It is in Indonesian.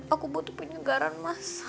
aku butuh penyegaran mas